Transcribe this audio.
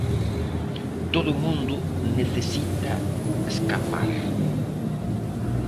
Todo o mundo necesita escapar.